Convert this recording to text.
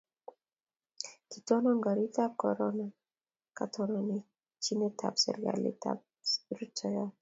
Kiitonon koroitab korona katononchinetab sektaitab rutoiyo